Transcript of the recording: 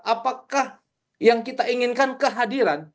apakah yang kita inginkan kehadiran